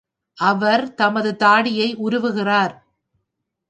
அவர் தமது தாடியை உருவுகிறார்!